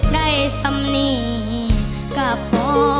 ได้สำนีกับพ่อ